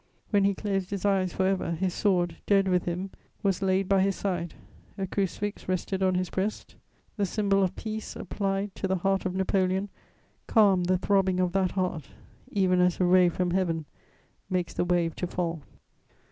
When he closed his eyes for ever, his sword, dead with him, was laid by his side, a crucifix rested on his breast: the symbol of peace, applied to the heart of Napoleon, calmed the throbbing of that heart even as a ray from Heaven makes the wave to fall.